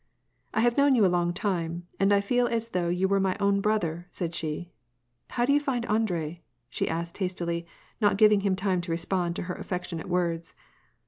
" I have known you a long time, and I feel as though you were my own brother," said she. " How do you find Andrei ?" she asked hastily, not giving him time to respond to her affec tionate words.